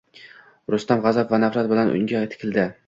Rustam g`azab va nafrat bilan unga tikildi